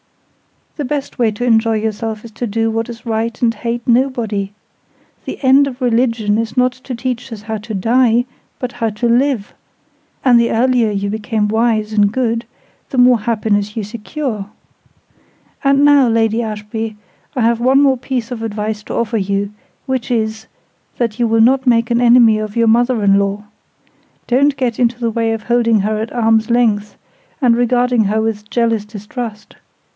"The best way to enjoy yourself is to do what is right and hate nobody. The end of Religion is not to teach us how to die, but how to live; and the earlier you become wise and good, the more of happiness you secure. And now, Lady Ashby, I have one more piece of advice to offer you, which is, that you will not make an enemy of your mother in law. Don't get into the way of holding her at arms' length, and regarding her with jealous distrust.